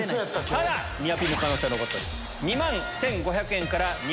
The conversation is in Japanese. ただニアピンの可能性は残っております。